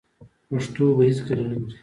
پښتو به هیڅکله نه مري.